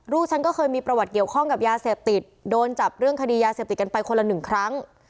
ฉันก็เคยมีประวัติเกี่ยวข้องกับยาเสพติดโดนจับเรื่องคดียาเสพติดกันไปคนละหนึ่งครั้ง